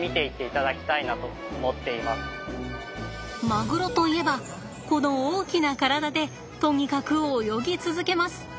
マグロといえばこの大きな体でとにかく泳ぎ続けます。